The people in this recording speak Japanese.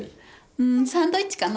うーん、サンドイッチかな。